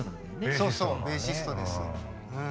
そうそうベーシストです。